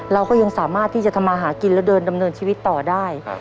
เราก็ยังสามารถที่จะทำมาหากินแล้วเดินดำเนินชีวิตต่อได้